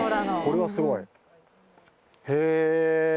これはすごいへぇ。